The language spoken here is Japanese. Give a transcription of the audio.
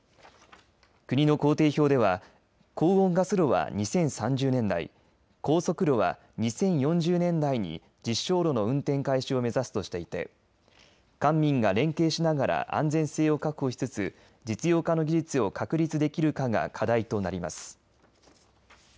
国の工程表では高温ガス炉は２０３０年代高速炉は２０４０年代に実証炉の運転開始を目指すとしていて官民が連携しながら安全性を確保しつつ実用化の技術を確立できるかが課題となります。